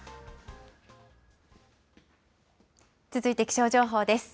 続いて気象情報です。